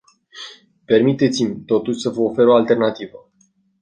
Permiteți-mi, totuși, să vă ofer o alternativă.